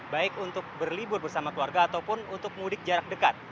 baik untuk berlibur bersama keluarga ataupun untuk mudik jarak dekat